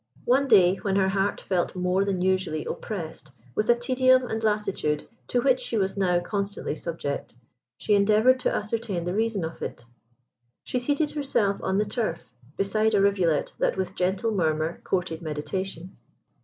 One day, when her heart felt more than usually oppressed with a tedium and lassitude to which she was now constantly subject, she endeavoured to ascertain the reason of it. She seated herself on the turf, beside a rivulet that with gentle murmur courted meditation.